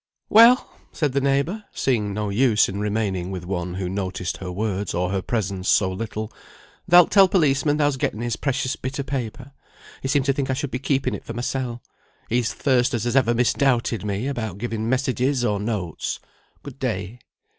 "Well!" said the neighbour, seeing no use in remaining with one who noticed her words or her presence so little; "thou'lt tell policeman thou'st getten his precious bit of paper. He seemed to think I should be keeping it for mysel; he's th' first as has ever misdoubted me about giving messages, or notes. Good day."